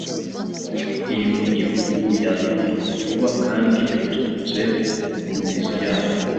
iri mu gihugu yahinduka vuba kandi biturutse mu mizi yayo,